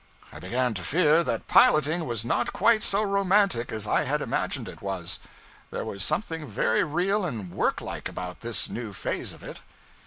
I began to fear that piloting was not quite so romantic as I had imagined it was; there was something very real and work like about this new phase of it.